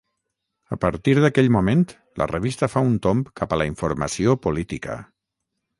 A partir d'aquell moment, la revista fa un tomb cap a la informació política.